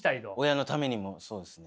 親のためにもそうですね。